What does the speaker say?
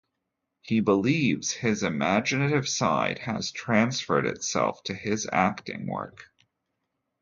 He believes his imaginative side has transferred itself to his acting work.